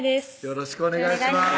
よろしくお願いします